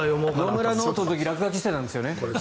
野村ノートの時には落書きしてたんですよね。